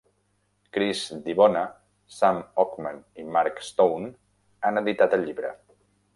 Chris DiBona, Sam Ockman i Mark Stone han editat el llibre.